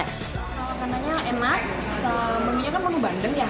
rasa makanannya enak memiliki menu bandeng ya